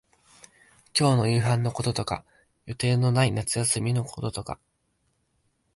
今日の夕飯のこととか、予定のない夏休みのこととか、